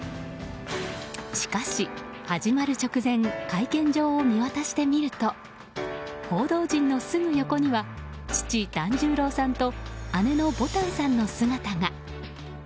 しかし、始まる直前会見場を見渡してみると報道陣のすぐ横には父・團十郎さんと姉のぼたんさんの姿が。